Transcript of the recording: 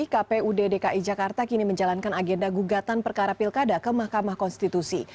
kpu dki jakarta kini menjalankan agenda gugatan perkara pilkada ke mahkamah konstitusi